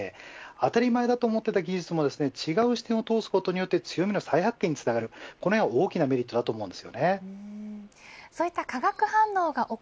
当たり前だと思っていた技術も違う視点で見ることによって強みの再発見につながるこのへんは大きなメリットだと思います。